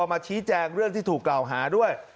มาชี้แจงเรื่องที่ถูกกล่าวหาด้วย